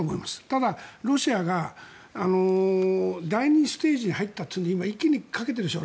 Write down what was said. ただ、ロシアが第２ステージに入ったというので今、一気にかけてるでしょ。